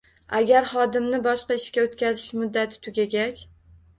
Agar xodimni boshqa ishga o‘tkazish muddati tugagach